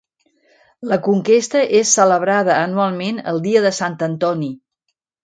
La conquesta és celebrada anualment el dia de Sant Antoni.